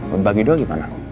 buat bagi dua gimana